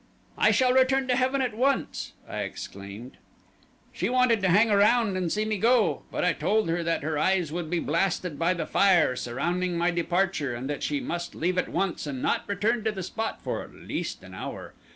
"'I shall return to heaven at once!' I exclaimed. "She wanted to hang around and see me go, but I told her that her eyes would be blasted by the fire surrounding my departure and that she must leave at once and not return to the spot for at least an hour.